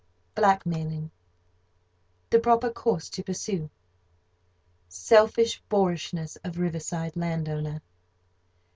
Blackmailing.—The proper course to pursue.—Selfish boorishness of river side landowner.